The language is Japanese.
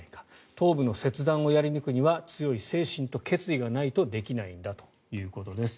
頭部の切断をやり抜くには強い精神と決意がないとできないということです。